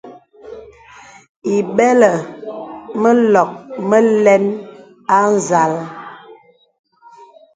Ìbɛlə mə lɔ̀k mə alɛn â nzàl.